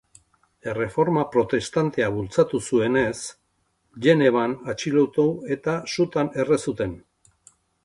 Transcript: Erreforma Protestantea bultzatu zuenez Genevan atxilotu eta sutan erre zuten.